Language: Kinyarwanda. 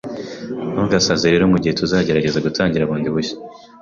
Ntugasaze rero mugihe tugerageza gutangira bundi bushya